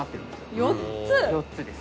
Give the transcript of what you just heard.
４つです